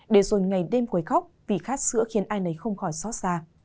để rồi ngày đêm quấy khóc vì khát sữa khiến ai nấy không khỏi xót xa